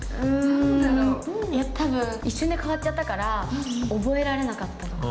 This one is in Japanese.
多分一瞬で変わっちゃったから覚えられなかったとか。